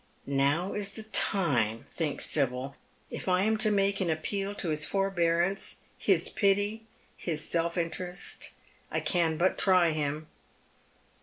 " Now is the time," thinks Sibyl, " if I am to make an appeal to his forbearance, his pity, his self interest. I can but try him."